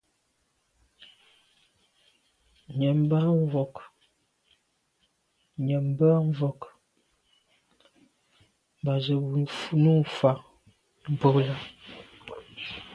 Nyəèm bə́ â mvɔ̂k mbàp zə̄ bú nǔ fá mbrʉ́ lɑ́.